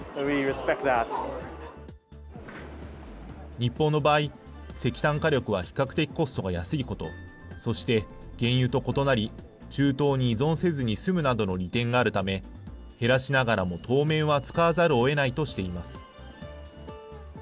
日本の場合、石炭火力は比較的コストが安いこと、そして原油と異なり、中東に依存せずに済むなどの利点があるため、減らしながらも当面は使わざるをえないとしています。